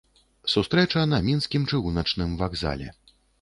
Сустрэча на мінскім чыгуначным вакзале.